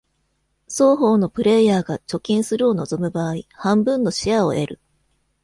双方のプレーヤーが「貯金する」を望む場合、半分のシェアを得る。